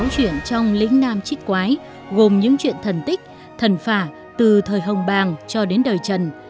ba mươi sáu chuyện trong lĩnh nam chích quái gồm những chuyện thần tích thần phả từ thời hồng bàng cho đến đời trần